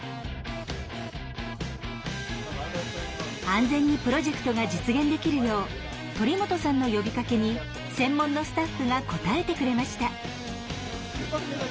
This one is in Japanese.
安全にプロジェクトが実現できるよう鳥本さんの呼びかけに専門のスタッフが応えてくれました。